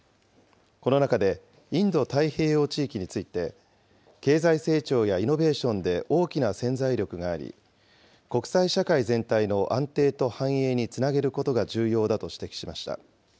この中で、インド太平洋地域について、経済成長やイノベーションで大きな潜在力があり、国際社会全体の安定と繁栄につなげることが重要だと指摘しました。